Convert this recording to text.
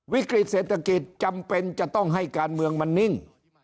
วิกฤตเศรษฐกิจจำเป็นจะต้องให้การเมืองมันนิ่ง